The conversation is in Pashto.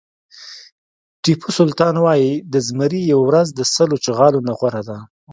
ټيپو سلطان وایي د زمري یوه ورځ د سل چغالو نه غوره ده.